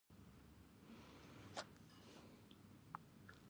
د کنجد دانه د څه لپاره وکاروم؟